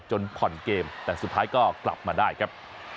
ผ่อนเกมแต่สุดท้ายก็กลับมาได้ครับ